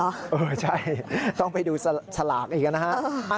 เออใช่ต้องไปดูฉลากอีกนะฮะ